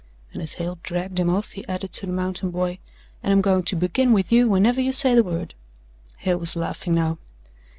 And as Hale dragged him off he added to the mountain boy, "and I'm going to begin with you whenever you say the word." Hale was laughing now.